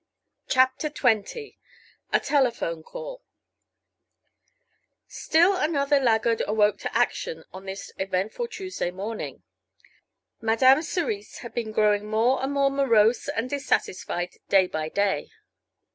CHAPTER XX A TELEPHONE CALL Still another laggard awoke to action on this eventful Tuesday morning. Madame Cerise had been growing more and more morose and dissatisfied day by day.